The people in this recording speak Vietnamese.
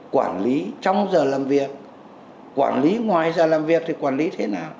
quản lý trong giờ làm việc quản lý ngoài giờ làm việc thì quản lý thế nào